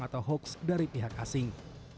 atau hoax dari pihak asing